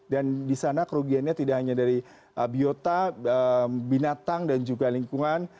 dan di sana kerugiannya tidak hanya dari biota binatang dan juga lingkungan